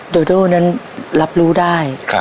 โดโดนั้นรับรู้ได้